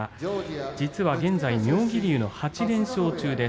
実は現在、妙義龍８連勝中です